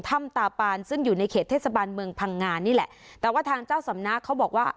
ถ้ำตาปานซึ่งอยู่ในเขตเทศบาลเมืองพังงานี่แหละแต่ว่าทางเจ้าสำนักเขาบอกว่า